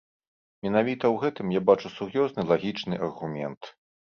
Менавіта ў гэтым я бачу сур'ёзны лагічны аргумент.